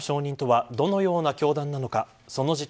エホバの証人とはどのような教団なのか。